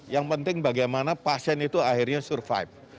yang penting bagaimana pasien itu akhirnya survive